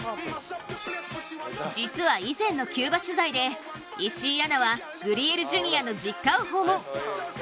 実は以前のキューバ取材で石井アナはグリエル・ジュニアの実家を訪問。